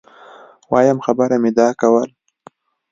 وایم خبره مي دا کول